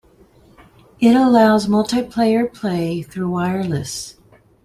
It allows multiplayer play through wireless.